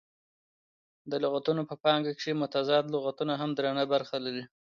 د لغتونه په پانګه کښي متضاد لغتونه هم درنه برخه لري.